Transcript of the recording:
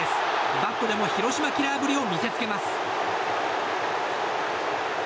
バットでも広島キラーぶりを見せつけます。